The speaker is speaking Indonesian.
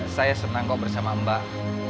saya senang kok bersama mbak